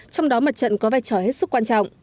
trong đó mặt trận có vai trò hết sức quan trọng